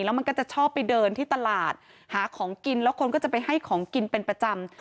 แล้วมันก็จะชอบไปเดินที่ตลาดหาของกินแล้วคนก็จะไปให้ของกินเป็นประจำ